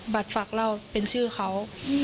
ฝากเล่าเป็นชื่อเขา